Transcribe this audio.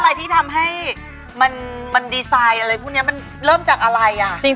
อะไรที่ทำให้มันดีไซน์อะไรพวกนี้มันเริ่มจากอะไรอ่ะ